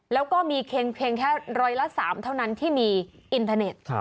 แล้วก็มีเพียงแค่ร้อยละ๓เท่านั้นที่มีอินเทอร์เน็ต